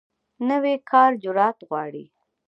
نوی کار جرئت غواړي